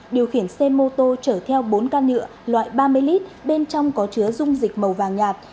điều khiển xe mô tô chở theo bốn can nhựa loại ba mươi lít bên trong có chứa dung dịch màu vàng nhạt